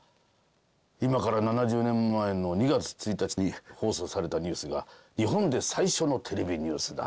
今から７０年前の２月１日に放送されたニュースが日本で最初のテレビニュースだ。